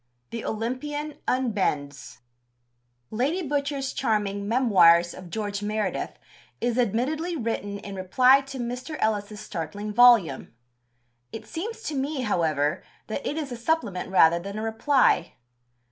(2) THE OLYMPIAN UNBENDS Lady Butcher's charming Memoirs of George Meredith is admittedly written in reply to Mr. Ellis's startling volume. It seems to me, however, that it is a supplement rather than a reply.